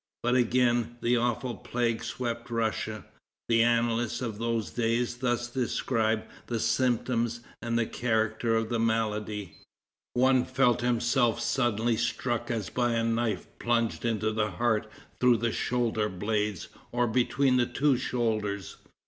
But again the awful plague swept Russia. The annalists of those days thus describe the symptoms and the character of the malady: "One felt himself suddenly struck as by a knife plunged into the heart through the shoulder blades or between the two shoulders.